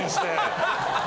アハハハ！